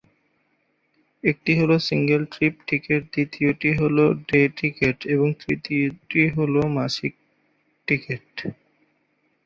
একটি হলো single trip ticket, দ্বিতীয়টি হলো ডে টিকেট এবং তৃতীয় হলো মাসিক টিকেট।